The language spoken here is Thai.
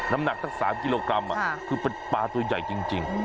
น้ำหนักตั้ง๓กิโลกรัมคือเป็นปลาตัวใหญ่จริง